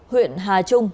huyện hà trung